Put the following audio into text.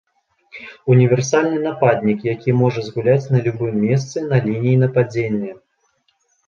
Універсальны нападнік, які можа згуляць на любым месцы на лініі нападзення.